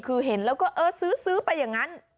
คือเห็นแล้วก็เออซื้อไปอย่างนั้น